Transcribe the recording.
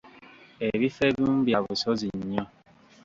Ebifo ebimu bya busozi nnyo.